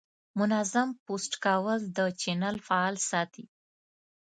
منظم پوسټ کول د چینل فعال ساتي.